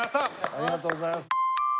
ありがとうございます。